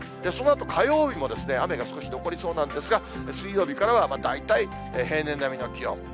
そのあと火曜日も雨が少し残りそうなんですが、水曜日からは大体平年並みの気温。